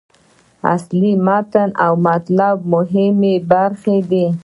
اصلي متن او مطلب مهمې برخې دي.